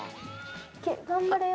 頑張れよ。